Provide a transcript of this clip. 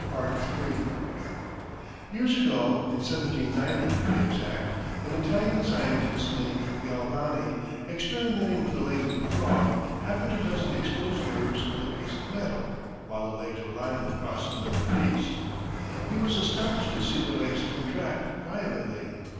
Years ago, in 1790, to be exact, an Italian scientist named Galvani, experimenting with the legs of a frog, happened to touch the exposed nerves with a piece of metal, while the legs were lying across another piece. He was astonished to see the legs contract violently.